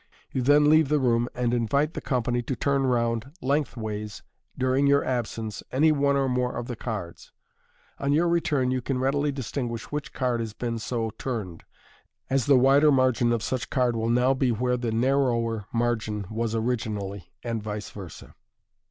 Too then leave the room, and invite the company to turn round length ways during your absence any one or more of the four cards. On your return you can readily distinguish which card has been so turned, as the wider margin of such card will now be where the narrower margin was originally, and vice versd.